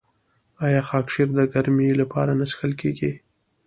آیا خاکشیر د ګرمۍ لپاره نه څښل کیږي؟